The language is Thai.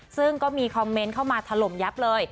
ซึ่งก็มีคอมเมนต์เข้ามาถล่มยับเลย